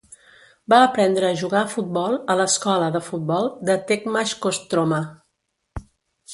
Va aprendre a jugar a futbol a l'escola de futbol de Tekmash Kostroma.